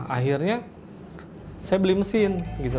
akhirnya saya beli mesin